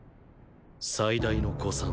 最大の誤算